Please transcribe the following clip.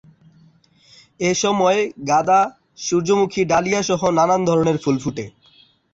এসময় গাদা, সূর্যমুখী, ডালিয়াসহ নানান ধরণের ফুল ফুটে থাকে।